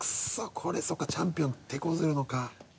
これそうかチャンピオン手こずるのか。